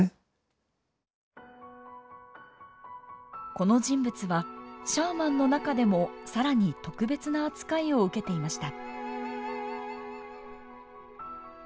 この人物はシャーマンの中でも更に特別な扱いを受けていました。